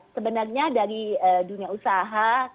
sebenarnya dari dunia usaha